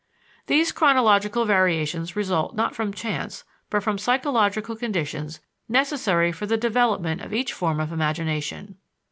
These chronological variations result not from chance, but from psychological conditions necessary for the development of each form of imagination.